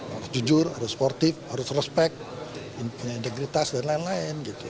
harus jujur harus sportif harus respect punya integritas dan lain lain gitu